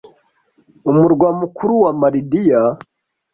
Umurwa mukuru wa Malidiya